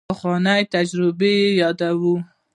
پخوانۍ تجربې چې یادوو.